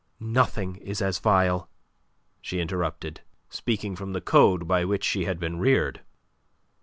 "Nothing is as vile," she interrupted, speaking from the code by which she had been reared.